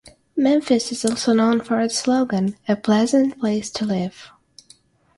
Memphis is also known for its slogan, A Pleasant Place To Live.